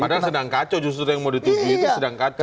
padahal sedang kacau justru yang mau di tv itu sedang kacau